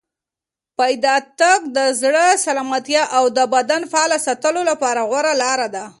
پیاده تګ د زړه سلامتیا او د بدن فعال ساتلو لپاره غوره لاره ده.